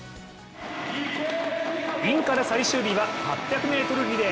インカレ最終日は８００ｍリレー。